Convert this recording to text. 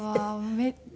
めっちゃ。